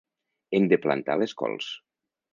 Hem de plantar les cols.